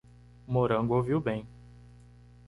Morango ouviu bem